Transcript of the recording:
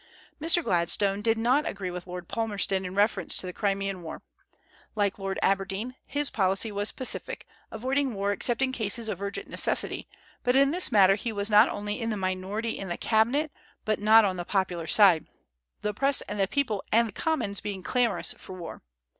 Mr. Gladstone did not agree with Lord Palmerston in reference to the Crimean war. Like Lord Aberdeen, his policy was pacific, avoiding war except in cases of urgent necessity; but in this matter he was not only in the minority in the cabinet but not on the popular side, the Press and the people and the Commons being clamorous for war.